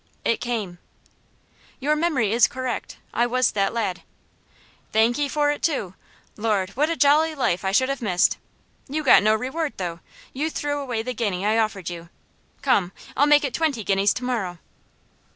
It came. "Your memory is correct; I was that lad." "Thank'ee for it too. Lord! what a jolly life I should have missed! You got no reward, though. You threw away the guinea I offered you; come, I'll make it twenty guineas to morrow."